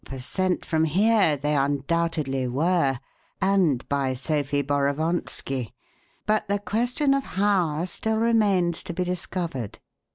For sent from here they undoubtedly were, and by Sophie Borovonski; but the question of how still remains to be discovered."